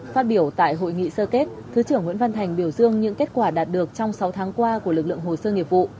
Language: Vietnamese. phát biểu tại hội nghị sơ kết thứ trưởng nguyễn văn thành biểu dương những kết quả đạt được trong sáu tháng qua của lực lượng hồ sơ nghiệp vụ